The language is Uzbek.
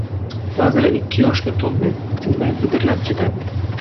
ba’zilari ikki yoshga to‘lib, tinmay bidirlab ketadi.